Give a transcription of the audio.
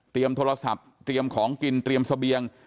โทรศัพท์เตรียมของกินเตรียมเสบียง